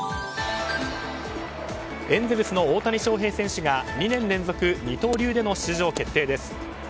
エンゼルスの大谷翔平選手が２年連続二刀流での出場決定です。